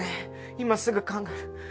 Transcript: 今すぐ考える。